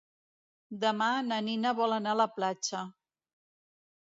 Demà na Nina vol anar a la platja.